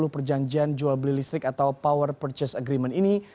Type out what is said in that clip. sepuluh perjanjian jual beli listrik atau power purchase agreement ini